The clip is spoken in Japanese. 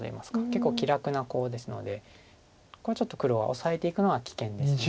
結構気楽なコウですのでここはちょっと黒はオサえていくのは危険です。